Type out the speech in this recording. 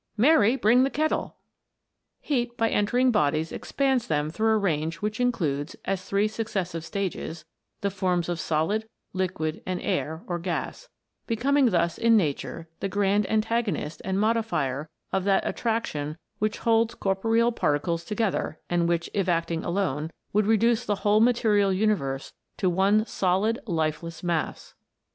" Mary, bring the kettle !" Heat, by entering bodies, expands them through a range which includes, as three successive stages, the forms of solid, liquid, and air, or gas ; becoming thus in nature the grand antagonist and modifier of that attraction which holds corporeal particles together, and which, if acting alone, would reduce the whole material universe to one solid, lifeless mass.